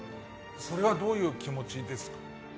それはどういう気持ちですか。